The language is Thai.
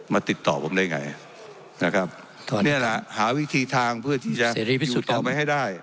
ติดต่อผมได้ไงนะครับนี่แหละหาวิธีทางเพื่อที่จะพิสูจน์ต่อไปให้ได้